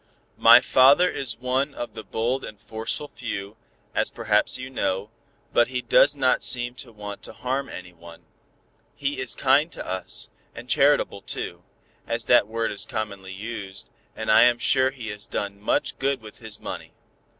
My father is one of the 'bold and forceful few' as perhaps you know, but he does not seem to me to want to harm anyone. He is kind to us, and charitable too, as that word is commonly used, and I am sure he has done much good with his money."